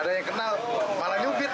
tempet tempetan kayak gitu